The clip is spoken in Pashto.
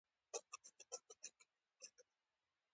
لمر نیم نه زیات پریوتی و.